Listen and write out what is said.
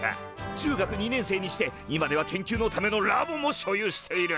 中学２年生にして今では研究のためのラボも所有している。